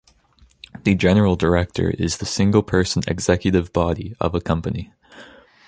The general director is the "single-person executive body" of a company.